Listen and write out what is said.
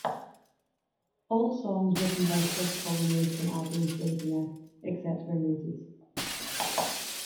All songs written by Chris Collingwood and Adam Schlesinger, except where noted.